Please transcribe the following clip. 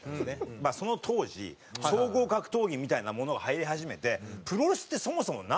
まあその当時総合格闘技みたいなものがはやり始めてプロレスってそもそもなんなん？みたいな。